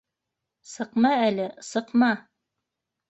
Сыҡма әле, сыҡма...